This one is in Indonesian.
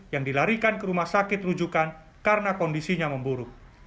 yang dilarikan ke rumah sakit rujukan karena kondisinya memburuk